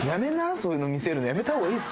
そういうの見せるのやめた方がいいっすよ。